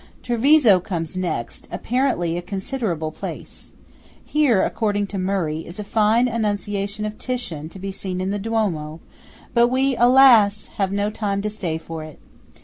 Treviso comes next–apparently a considerable place. Here, according to Murray, is a fine Annunciation of Titian to be seen in the Duomo, but we, alas! have no time to stay for it.